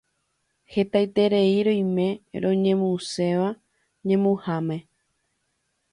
Hetaiterei roime roñemuséva ñemuháme